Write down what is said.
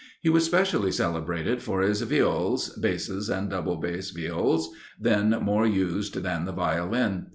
He was specially celebrated for his Viols, Basses, and Double Bass Viols, then more used than the Violin.